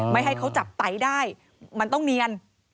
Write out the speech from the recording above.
ไม่ให้เขาจับไตได้มันต้องเนียน